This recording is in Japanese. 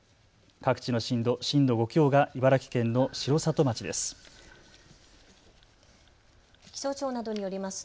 各地の震度、震度５強が茨城県の城里町です。